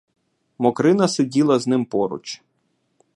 Мокрина сиділа з ним поруч.